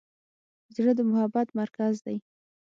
زړه د محبت مرکز دی.